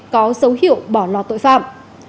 có dấu hiệu bỏ lo tội phạm